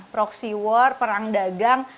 proxy war perang dagang